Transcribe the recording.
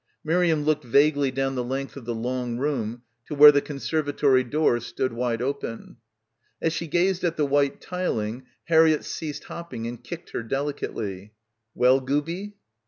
Miriam looked vaguely down the length of the long room to where the conservatory doors stood wide open. As she gazed at the wet tiling Har — 30 — BACKWATER riett ceased hopping and kicked her delicately. 'Well, gooby?"